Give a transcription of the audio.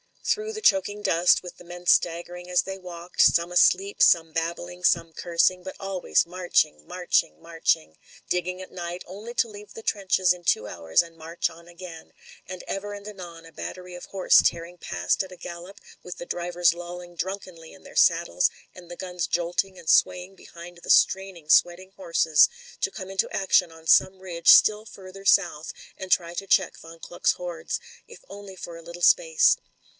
Through the chok ing dust, with the men staggering as they walked — some asleep, some babbling, some cursing — but always marching, marching, marching ; digging at night, only to leave the trenches in two hours and march on again ; with ever and anon a battery of horse tearing past at a gallop, with the drivers lolling dnmkenly in their sad dles, and the guns jolting and swaying behind the straining, sweating horses, to come into action on some ridge still further south, and try to check von Kluck's hordes, if only for a little space.